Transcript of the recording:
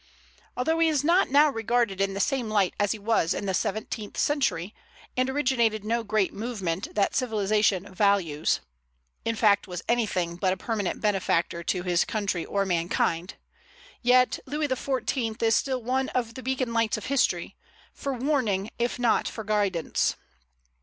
Although he is not now regarded in the same light as he was in the seventeenth century, and originated no great movement that civilization values, in fact was anything but a permanent benefactor to his country or mankind, yet Louis XIV. is still one of the Beacon Lights of history, for warning if not for guidance.